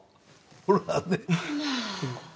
ほらね。